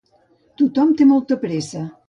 Tothom té molta pressa.